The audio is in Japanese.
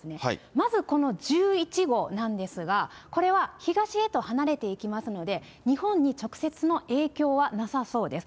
まずこの１１号なんですが、これは東へと離れていきますので、日本に直接の影響はなさそうです。